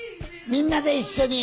みんなで一緒に。